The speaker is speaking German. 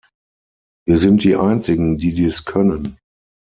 Wir sind die Einzigen, die dies können.